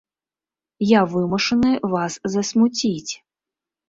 Я вымушаны вас засмуціць.